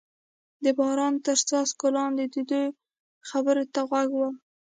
د باران تر څاڅکو لاندې د دوی خبرو ته غوږ ووم.